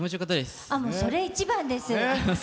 それ一番です！